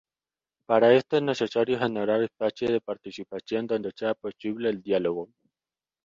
Para esto es necesario generar espacios de participación donde sea posible el diálogo.